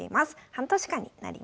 半年間になります。